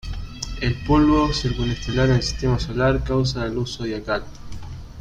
El polvo circunestelar en el Sistema Solar causa la luz zodiacal.